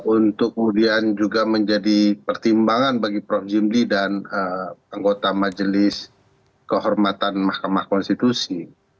untuk kemudian juga menjadi pertimbangan bagi prof jimli dan anggota majelis kehormatan mahkamah konstitusi